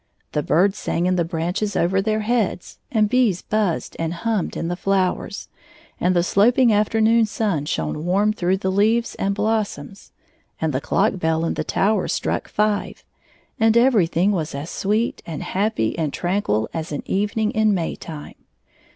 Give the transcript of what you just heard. The birds sang in the branches over their heads, and bees buzzed and hummed in the flowers, and the sloping after noon sun shone warm through the leaves and blossoms, and the clock bell in the tower struck five, and everything was as sweet and happy and tranquil as an evening in May time.